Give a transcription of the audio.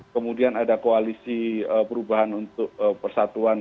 kemudian ada koalisi perubahan untuk persatuan